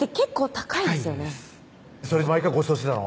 高いですそれ毎回ごちそうしてたの？